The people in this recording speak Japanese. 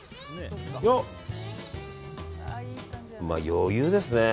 余裕ですね。